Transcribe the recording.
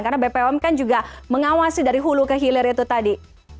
karena bpom kan juga mengawasi dari hulu ke hilir itu tadi